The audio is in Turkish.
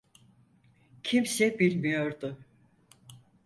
Kimse bilmiyordu.